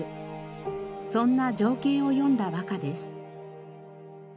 そんな情景を詠んだ和歌です。